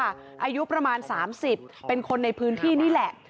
อายุประมาณ๓๐เป็นคนในพื้นที่นี่แหละ